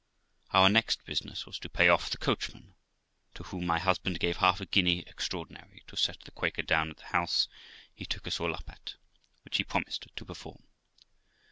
Our next business was to pay off the coachman, to whom my husband gave half a guinea extraordinary, to set the Quaker down at the house he took us all up at, which he promised to perform.